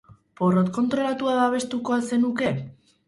Porrot kontrolatua babestuko al zenuke?